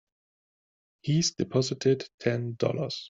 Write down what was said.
He's deposited Ten Dollars.